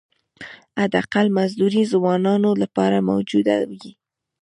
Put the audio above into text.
حداقل مزدوري ځوانانو لپاره موجوده وي.